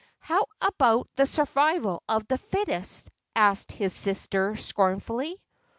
"How about the survival of the fittest?" asked his sister, scornfully.